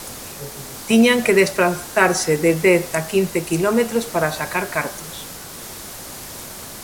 Tiñan que desprazarse de dez a quince quilómetros para sacar cartos.